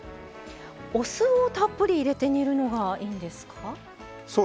お酢をたっぷり入れて煮るのがいいんですか？